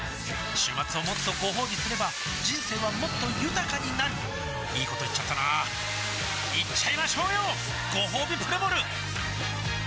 週末をもっとごほうびすれば人生はもっと豊かになるいいこと言っちゃったなーいっちゃいましょうよごほうびプレモル